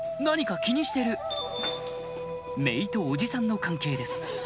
何か気にしてる姪と伯父さんの関係です